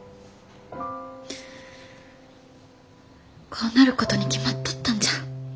こうなることに決まっとったんじゃ。